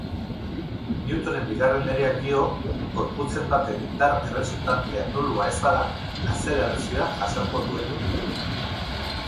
Newtonen bigarren legeak dio, gorputzen baten indar erresultantea nulua ez bada, azelerazioa jasango duela.